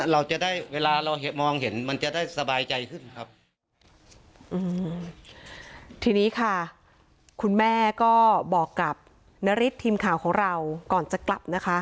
เราจะได้เวลาเรามองเห็นมันจะได้สบายใจขึ้นครับอืมทีนี้ค่ะคุณแม่ก็บอกกับนาริสทีมข่าวของเราก่อนจะกลับนะคะ